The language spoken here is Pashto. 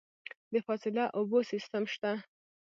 د فاضله اوبو سیستم شته؟